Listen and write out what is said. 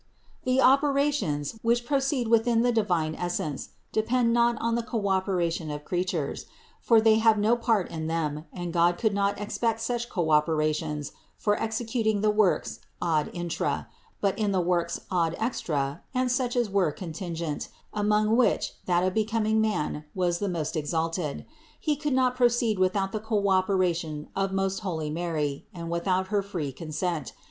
The operations, which proceed within the divine Essence, depend not on the co opera tion of creatures, for they have no part in them and God could not expect such co operations for executing the works ad intra; but in the works ad extra and such as were contingent, among which that of becoming man was the most exalted, He could not proceed without the co operation of most holy Mary and without her free consent.